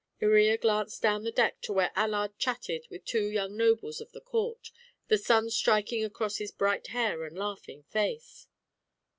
Iría glanced down the deck to where Allard chatted with two young nobles of the court, the sun striking across his bright hair and laughing face.